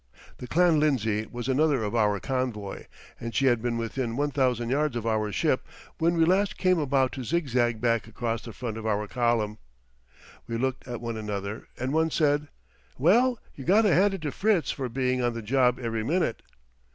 The Clan Lindsay was another of our convoy, and she had been within 1,000 yards of our ship when we last came about to zigzag back across the front of our column. We looked at one another, and one said: "Well, you got to hand it to Fritz for being on the job every minute."